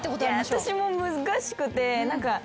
私も難しくて。